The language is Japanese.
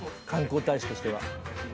観光大使としては。